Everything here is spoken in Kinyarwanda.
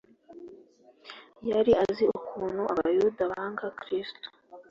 Yari azi ukuntu abayuda banga Kristo,